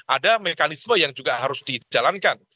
ada mekanisme yang juga harus dijalankan